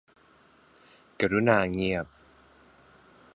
กรุณาเงียบ